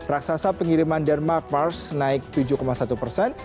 raksasa pengiriman denmark mars naik tujuh satu persen